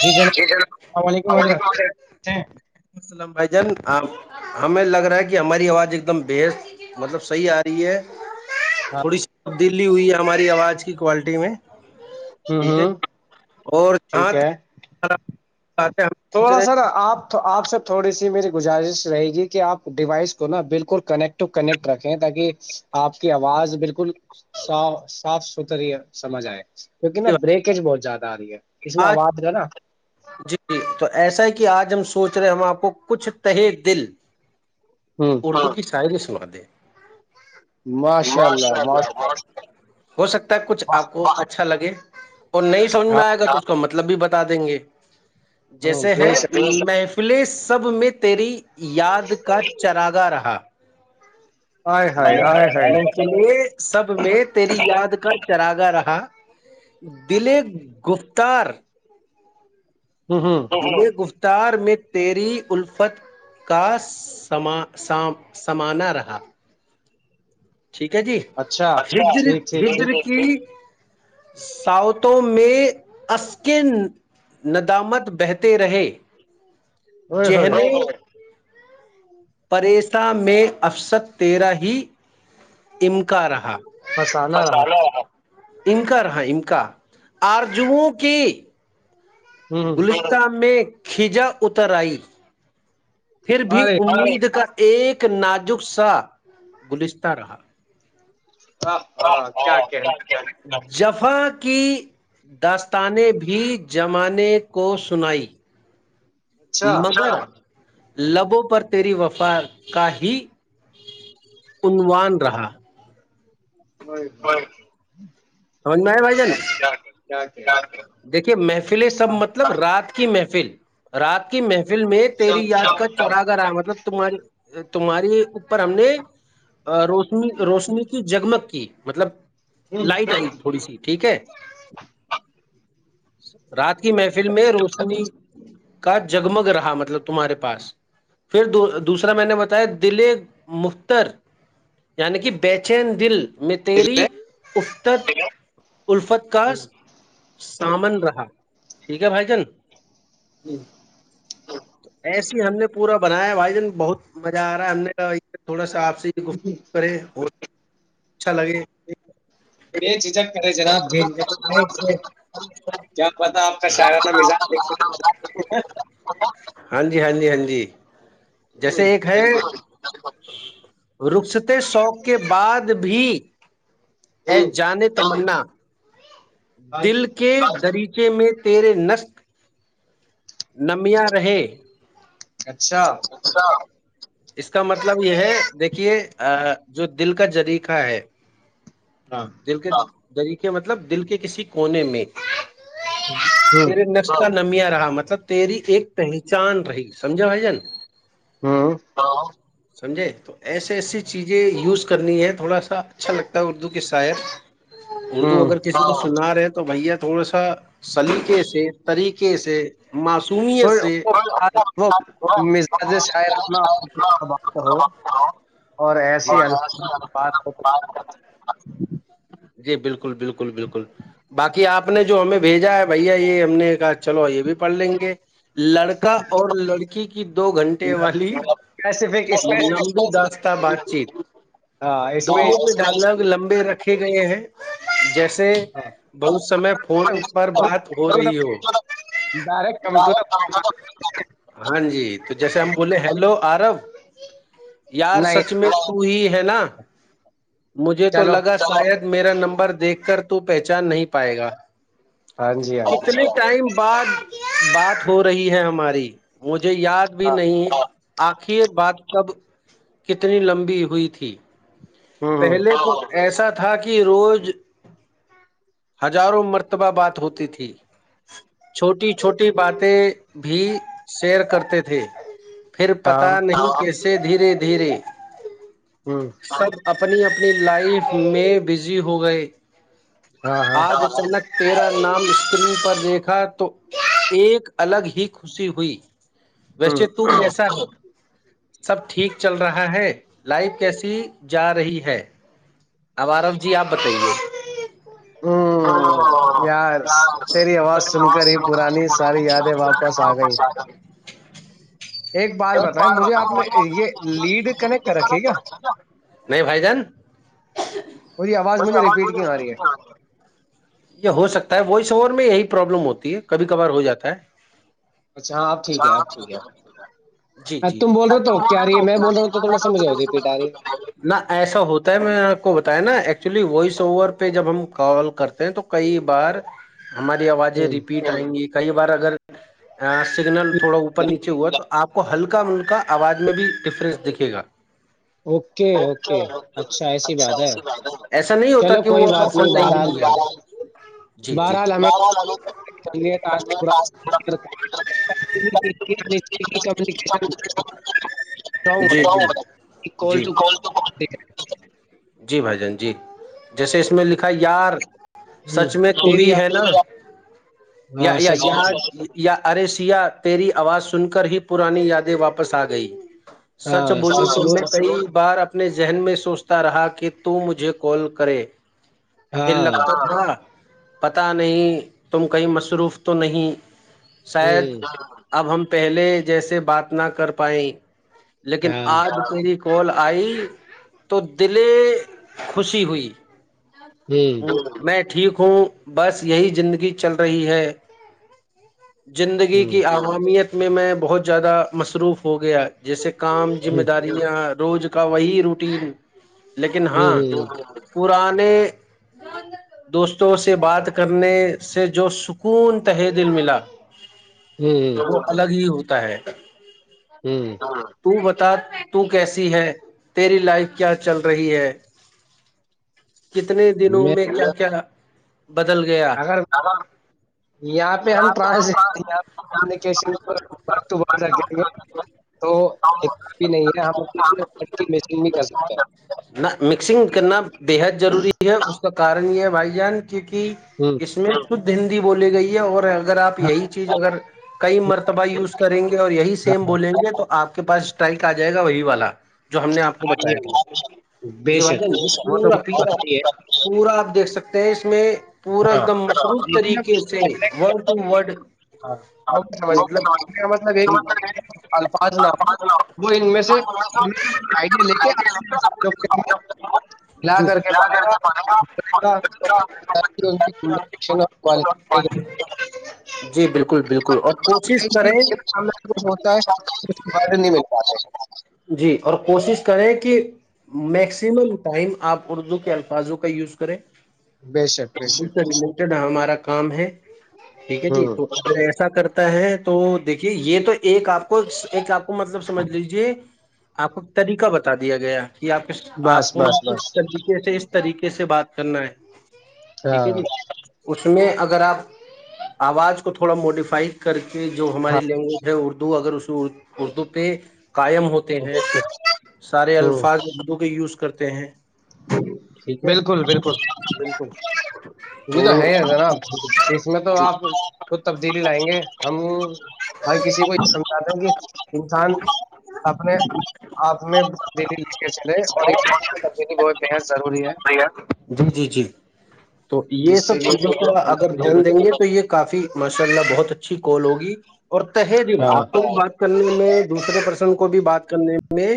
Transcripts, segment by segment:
جی جناب السلام علیکم حضرت ولیکم سے۔ السلام بھائی جان آپ [unintelligible] ہمیں لگ رہا ہے کہ ہماری آواز ایک دم بےحد مطلب صحیح آ رہی ہے [unintelligible] ہاں تھوڑی سی [unintelligible] تبدیلی ہوئی ہے ہماری آواز کی کوالٹی میں [unintelligible] ہوں ٹھیک ہے ہوں [unintelligible] اور جاں ٹھیک ہے تک [unintelligible] بات ہے ہم سوچ تھوڑا رہے سا نا آپ آپ سےب تھوڑی سی میری [unintelligible] گزارش رہے گی کہ آپ ڈیوائس کو نا بالکل کنیکٹ ٹو کنیکٹ رکھیں تاکہ آپ کی آواز بالکلا صاف ستھری سمجھ آئے کیونکہ نا بریکیج بہت زیادہ آ رہی ہے [unintelligible] آ آواز کا نا جی جی تو [unintelligible] ایسا ہے کہ آج ہم سوچ رہے ہیں ہم آپ کو کچھ تہ دل ہ [unintelligible] ارد کی چاہ جےس [unintelligible] ود [unintelligible] ماشاء اللہ ماشاء اللہ [unintelligible] ہو سکتا ہے کچھ آپ کو [unintelligible] اچھا لگے [unintelligible] وہ نہیں سجھ ہاں میں آ ہے گا [unintelligible] مطلب بھی بتا دیں گے [unintelligible] ہ جیسے ہیں بے شک لائف [unintelligible] پلے سب میں تیری یاد کا چراگا رہا [unintelligible] آئے ہائے آئے ہائے ل لیے سب میں تیری یاد کا [unintelligible] چراگا رہا دلیپ گفتار [unintelligible] ہ ہ [unintelligible] [unintelligible] تار میں تیری الفت کا سما سمانا رہا [unintelligible] ٹھیک ہے جی اچھا ہجر ٹھیک ٹھیک ٹھیک ہجر کی [unintelligible] ساوتوں میں عسکن ندامت بہتے رہے [unintelligible] ہوئے ہوئے جہنی [unintelligible] پریسا میں افسد تیرا ہی [unintelligible] امکارا [unintelligible] بسانا رہا بسلو [unintelligible] انمک رہاں انمکا آر جوں کی [unintelligible] ہ گلشتہ میں [unintelligible] کھجا اترائی پھر بھی ارے امید کر ایک نازک سا گلستاہ رہا ہ ہاں کیا کہ فاں کی داستانے بھی زمانے کو سنائی اچھا مگر لبوں پر تیری وفا کا ہی عنوان رہا و بھائی جن دیکے محفلے سب ہاں مطلب ر ات کی محفل رات کی محفل ف میں تیری شب یاد شب کا شب چراگرا مطلب تماری تمہاراری اوپر ہم نے روشنی روشنی کی جگمگ کی مطلب ہ ہ لائٹ آئی تھوڑی سی ٹھیک ہے رات کی محفل میں روشنی کا جگمگ رہا مطلب تمہارے پاس پھر دوسرا میں نے بتایا دل مختر یعنی کہ بےچین دل م تری اسفتت الفت کاس ہوں سامن رہا ہاں ٹھیک ہے بھائی جان ہی ایسی ہی ہم نے پورا بنایا بھائی جان بہت مزہ آ رہا ہے ہم نے تھوڑا سا آپ آپ سے کوشش کریں اور اچھا لگے جنابج کیا پتا آپ کا شاعرانہ مزاج دیک ہاں جی ہاں جی ہاں جی جیسے ایک ہے بالکل رخصتے شوق کے بعد بھی ا ہ جانت ونا ہاں دل جی کے دریق چے میں تیرے نسق نمیاں رہے اچھا اس کا مطلب یہ ہے دیکھیے جو دل کا جریقہ ہے ہاں دلک آپ دریقے مطلب دل کے کسی کونے میں ہاں تیرے نقش کا نمیا رہا مطلب تیری ایک پہچان رہی سمجھا بھ جن ہ ہاں سمجھے تو ایسے ایسی چیزیں یوز کرنی ہے تھوڑا سا اچھا لگتا ہے اردو اک سیت اردو ہ اگر کسی کو سنا رہے تو تو بھیا تھوڑا سا سلیقے سے طریقے سے معصومیت سے وہ مزاج شاعر اپنا ہو اور جی ایسی جی الات جی بالکل بالکل بالکل باقی آپ نے جو ہمیں بھیجا ہے بھیا یہ ہم نے کہا چلو یہ بھی پڑھ لیں گے لڑکا اور لڑکی کی دو گھنٹے والی اسپیسیفک اسپیسیفک لمبی داستہ بات چیت ہاں اس میں دونوں کے ڈاکناگ لمبی گئے ہیں جیسے سے ہاں بہت سمے فون پر بات ہو رہی ہو ڈائریکٹ کم ٹو دا ہاں جی تو جیسے ہم پوائنٹ. بولولے ہیلو آرب یار نہیں سچ میں تو ہی ہے نا مجھے تو تو چلو لگا شاید میرا نمبر دیکھ کر تو پہچان نہیں پائے گا ہاں جی ہاں جی کتنے ٹائم بات بات ہو رہی ہے ہماری مجھے مجھے یاد بھی ہاں نہیں آخر بات کب کتنی لمبی ہوئی تھی ہ ہ پہلے تو ایسا تھا کہ روز ہزاروں مرتبہ بات ہوتی تھی چھوٹی چھوٹی باتیں بھی شیئر کرتے تھے پھر ہاں پتا نہیں کہ سے دھیرے دھیرے ہوں سب اپنی اپنی لائف میں بزی ہو گئے ہاں جلہ تیرا نام اسکرین پر دیکھا تو ایک الگ ہی خوشی ہوئی ہ ویسے تو کیسا ہے سب ٹھیک چل رہا ہے لائف کیسی جا رہی ہے اب آارف جی آپ بتائیے ہوں یار تیری آواز سن کر ہی پرانی ساری یادیں واپس آ گئی ب آپ نے یہ لیڈ کنیکٹ کر رکھیے کیا نہیں بھائی جان مجھے مجھے ریپیٹ آواز کیوں آ رہی ہے یہ ہو سکتا ہے وائس اوور میں یہی پروابلم ہوتی ہے کبھی کبار ہو جاتا ہے اچھا ہاں آپ ٹھیک ہے آپ ٹھیک ہے جی آپ جی تم بول رہے تو کیا آ رہی ہے میں بول رہا ہوں تو تھوڑا سا مجھے ریپیٹ آ رہی نہ ایسا ہوتا ہے میں بتایا نا ایکچولی وائس اوور پہ جب ہم کال کرتے ہیں تو کئی بار ہماری آوازیں ہے ریپیٹ آئیں گی کئی بار اگر سگنل تھوڑا اوپر نیچے ہوا تو آپ کو ہلکا ملکا آواز میں بھی ڈفرنس دکھے گا اوکے اوکے اچھا ایسی بات ہے ایسا نہیں ہوتا چلو کہ وہ کوئی بات فل نہیں ہو بہرحال جی جی بہرحال ہمیں جی جی جی بھائی جن جی جیسے اس میں لکھا یار ہوں سچ میں تو تیری ہی ہے نا آواز- یا ہاں یا سچ اں میں یا ارے سیا تیری آواز سن کر ہی پرانی یادیں واپس آ گئ سچ ہاں بوولو ت نے بول کئی بار اپنے ذہن میں سوچتا رہا کہ کہ ت مجھے کال کرے پھر ہاں لگتاا پتہ نہیں تم کہیں مصروف تو نہیں شاید ہوں اب ہم پہلے جیسے بات نہ کر پائیں لیکن ہاں آج تیری کال آئی تو دل ے خوشی ہوئی ہوں ہ میں ٹھیک ہوں بس یہی زندگی چل رہی ہے زندگی ہوں کی عوامیت میں میں بہت زیادہ مصروف ہو گیا جیسے کام ذمہ ہوں داریاں روز کا وہی روٹین لیکن ہاں ہوں پرانے دوستوں سے بات کرنے سے جو سکون تہ دل ملا تو ہوں وہ الگ ہی ہوتی تا ہے ہوں ہاں تو ب تو کیسی ہے تیری لائف کیا چل رہی ہے کتنے دنوں میں کیا کیا بدل گیا اگر یہاں پہ ہم ٹرانس کمیونیکیشن پر ورڈ ٹو ورڈ رکھیں گے تو اتنا بھی نہیں ہے ہم اپنے سے کی میچنگ بھی کر سکتے ہیں نہ مکسنگ کرنا بے حد ضروری ہے کا کن یہ ہے بھائی جان کیونکہ اس میں کود ہندی بوللی گئی اور اگر آپ ہاں یہی چیز اگر کئی ہاں مرتبہ یوز کریں گے اور یہی سیم بولیں گے تو آپ کو کے پاس ٹائک آ جائے گا وہی والا جو ہم نے آپ کو ہاں جی ہاں جی بتایا تھا بے جی بھائی شک جان بے شک، وہ تو پورا مجھے پا پتہ ہی ہے پورا آپ دیکھ سکتے تیئیس میں پورا ایک ہاں دم مشروط دیکھنا طریقے سے وڈ وڈ ج ہاں وہ مطلب یہ کہ الفاظ نہ ہو وہ ان سے آئیڈیا لے کےلا جی کر کے پڑھے گا انی پن جی بالکل بالکل بالکل اور کوشش کریں سامنے کچھ ہوتا ہے کہ اس کے بعد نہیں مل پاتے جی اور کوشش کریں کہ میکسیمم ٹائم آپ اردو کے الفاظوں کا یوز کریں بے شک بے سے شک ریلیٹڈ ہے ہمارا کام ہے ٹھیک ہے جی ہوں تو اگر ایسا کر ہے تو دیکھیے یہ تو ایک آپ کو ایک آپ کو مطلب سمجھ لیجیے آپ کو طریقہ بتا دیا گیا کہ آپ ک بس آپ کو بس بس ک طریقے سے اس طریقے سے بات کرنا ہے ٹھیک ہے جی ہاں اس میں اگر آپ آواز کو تھوڑا موڈیفائی کر کے کہ جو ہاں ہماری لینگویج ہے اردو اردو اگر اس اردو پہ قائم ہوتے ہیں بالکل سارے ہوں الفاظ اردو کے یوز کرتے ہیں ٹھیک ہے بالکل بالکل بالکل یہ تو ہے را اس میں تو آپ کھ تبدیلی لائیں گے ہم ہر کسی کو یہ سمجھاتے ہیں کہ انسان اپنے آپ میں تبدیلی لے کے چلے اور تبدیلی بہت بد جی جی جی تو یہ جس سے سب یہورا اگر کہ دھیان دیں گے تو یہ کافی ماشاء اللہ بہت اچا اچھی کوال ہوگی اور تح ج ہاں آپ تو بات ک میں دوسرے پرسن کو بھی بات کرنے میں میں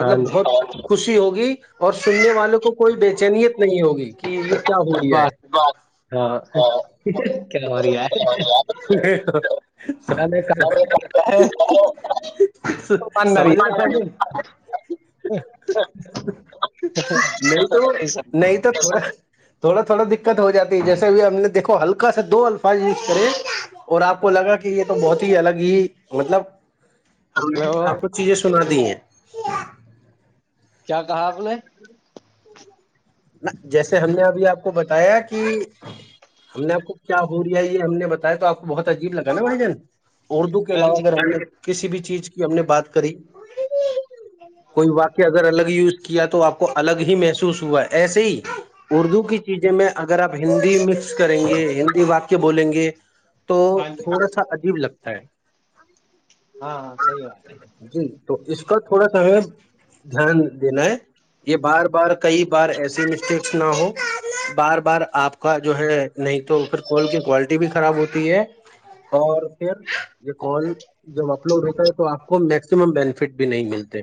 ہاں جی بہت خوشی ہوگی اور سننے والوں کو کوئی بے چینیت نہیں ہوگی کہ یہ کیا ہو رہیا ہے بس ہاں کیا ہو رہ آ مان سمجھ رہے سمجھ نہیں تو س نہیں تو تھوڑا تھوڑا تھوڑا دقت ہو جاتا جیسے بھی ہم نے دیکھو ہلکا سے دو الفاظ یوز کرے اور آپ کو لگا کہ یہ تو بہت ہی الگ ہی مطلب ہم نے ہیلو آپ کو چیزیں سنا دی ہیں سیا کیا کہا آپ نے جیسے ہم نے ابھی آپ کو بتایا کہ ہم نے آپ کو کیا ہو رہی ہے یہ ہم نے بتایا تو آپ کو بہت عجیب لگا نا بھائی جان اردو کے ہاں علاو جی رہ کسی بھی چیز کی ہم نے بات کری کوئی واقع اگر الگ یوز کیا تو آپ کو الگ ہی محسوس ہوا ہے ایسے ہی اردو کی چیزیں میں اگر آپ ہندی مکس کریں گے ہندی وااکع بولیں گے تو ہاں جی تھوڑا سا عجیب لگتا ہے ہاں ہاں سحی بات ہے جی تو اس کا تھوڑا سا ہمیں دھیان دینا ہے یہ بار بار کئی بار ایسی مسٹیکس نہ ہو بار بار آپ کا جو ہے نہیں تو پھر کال کی کوالٹی بھی خراب ہوتی ہے اور پھر یہ کال جب اپلوڈ ہوتا ہے تو آپ کو میکسیمم بینیفٹ بھی نہیں ملتے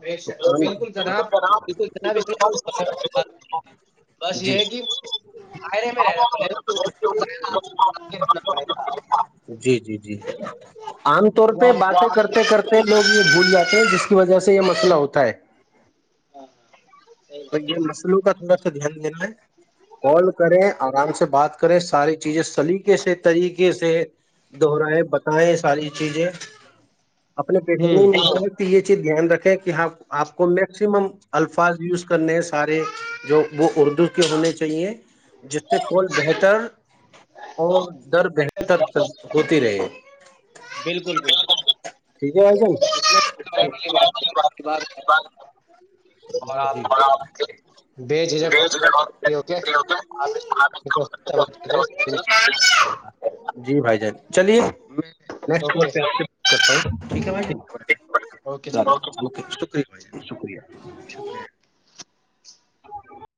بے شک پ ن بالکل جناب ب جنا بس یہ جی ہے کہ دائرے میں رہنا پڑے گاے گا جی جی جی عام طور وہ پہ آپ باتیں کرتے کرتے لوگ یہ بھول جاتے ہیں جس کی وجہ سے یہ مسئلہ ہوتا ہے ہاں ہاں صحیح تو یہ بات مسلوں کا تھوڑا تو دھیان دین ن کال کریں آرام سے بات کریں ساری چیزیں سلیقے سے طریقے سے دہرائے بتائےیں ساری چیزیں اپنے پیٹے میں ہوں نہیں ن سکتی یہ چیز دھیان رکھیں کہ ہ آپ کو میں میکمم الفاظ یوز کرنے ہیں سارے جو وہ اردو کے ہونے چاہیے جس سے کوول بہتر ا در بنتا س کتی رہے بالکل بالکل ٹھیک ہے بھائی جان اس اور آپ بے جھجک ہو کے آپ اس کو توجہ دیں جی بھائی جان چلیے میںٹور اوکے پہ آپ سے کرتا ہوں ٹھیک ہے بھائی ج اوکے جناب چلو شکریہ بھائی ج شکریہ شکریہ